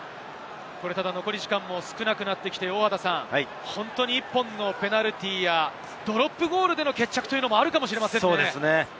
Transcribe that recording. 残り時間が少なくなってきて、１本のペナルティーやドロップゴールでの決着もあるかもしれませんね。